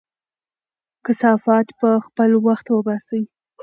کثافات په خپل وخت وباسئ.